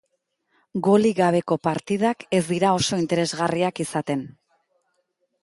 Golik gabeko partidak ez dira oso interesgarriak izaten.